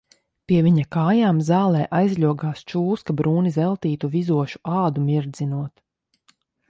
Pie viņa kājām zālē aizļogās čūska brūni zeltītu, vizošu ādu mirdzinot.